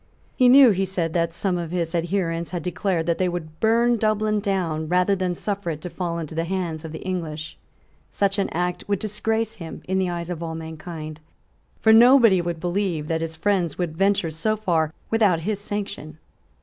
He knew, he said, that some of his adherents had declared that they would burn Dublin down rather than suffer it to fall into the hands of the English. Such an act would disgrace him in the eyes of all mankind: for nobody would believe that his friends would venture so far without his sanction.